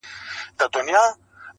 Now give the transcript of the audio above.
o خبره د خبري څخه زېږي.